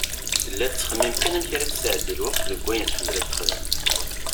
Tella tettxemmim kan amek ara tesɛeddi lweqt deg wayen tḥemmel ad texdem.